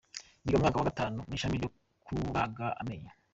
Yiga mu mwaka wa Gatanu mu ishami ryo kubaga amenyo.